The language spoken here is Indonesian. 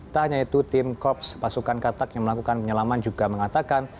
tak hanya itu tim korps pasukan katak yang melakukan penyelaman juga mengatakan